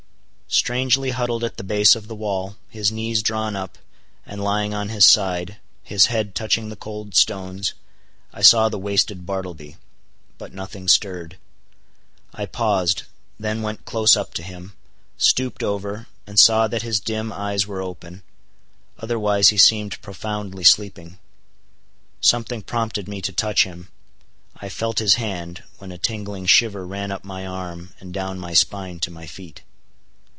Strangely huddled at the base of the wall, his knees drawn up, and lying on his side, his head touching the cold stones, I saw the wasted Bartleby. But nothing stirred. I paused; then went close up to him; stooped over, and saw that his dim eyes were open; otherwise he seemed profoundly sleeping. Something prompted me to touch him. I felt his hand, when a tingling shiver ran up my arm and down my spine to my feet.